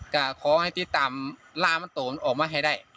ก็ขอให้ติดตามล่ามันโตมันออกมาให้ได้